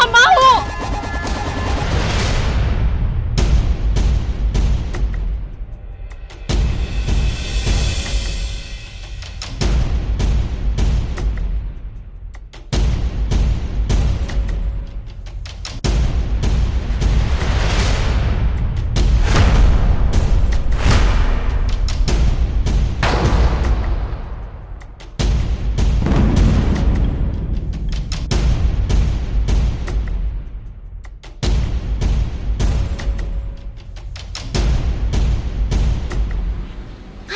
tante aku nggak mau